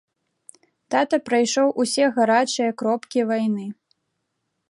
Тата прайшоў усе гарачыя кропкі вайны.